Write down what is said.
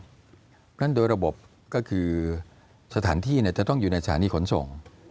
เพราะฉะนั้นโดยระบบก็คือสถานที่จะต้องอยู่ในสถานีขนส่ง